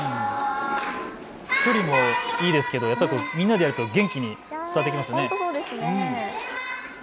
１人もいいですけどみんなでやると元気に伝わってきますね。